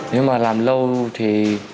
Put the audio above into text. nếu mà làm lâu thì